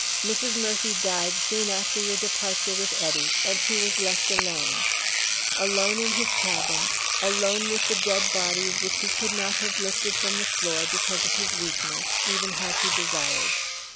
Mrs. Murphy died soon after your departure with Eddy, and he was left alone alone in his cabin alone with the dead bodies which he could not have lifted from the floor, because of his weakness, even had he desired.